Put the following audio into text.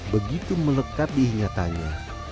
begitu melekat diingatannya